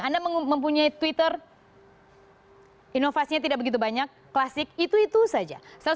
anda mempunyai twitter inovasinya tidak begitu banyak klasik itu itu saja